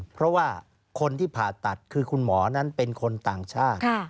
เพราะว่าคนที่ผ่าตัดคือคุณหมอนั้นเป็นคนต่างชาติ